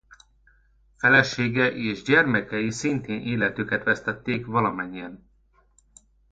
Felesége és gyermekei szintén életüket vesztették valamennyien.